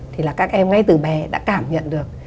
thì là các em ngay từ bé đã cảm nhận được